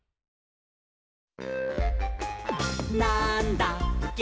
「なんだっけ？！